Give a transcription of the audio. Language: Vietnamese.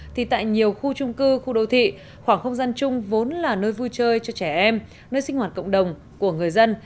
thì tại nhiều khu trung cư khu đô thị khoảng không gian chung vốn là nơi vui chơi cho trẻ em nơi sinh hoạt cộng đồng của người dân